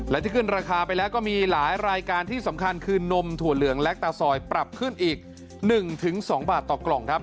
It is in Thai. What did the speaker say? และที่ขึ้นราคาไปแล้วก็มีหลายรายการที่สำคัญคือนมถั่วเหลืองและตาซอยปรับขึ้นอีก๑๒บาทต่อกล่องครับ